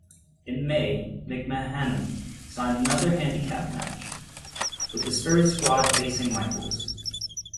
In May, McMahon signed another handicap match, with The Spirit Squad facing Michaels.